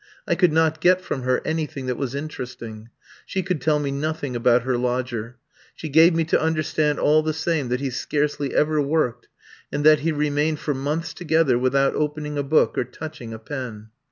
I could not get from her anything that was interesting. She could tell me nothing about her lodger. She gave me to understand all the same that he scarcely ever worked, and that he remained for months together without opening a book or touching a pen.